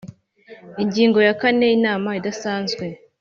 Ingingo ya kane Inama idasanzwe